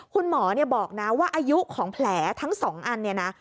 คุณหมอบอกว่าอายุของแผลทั้ง๒อัน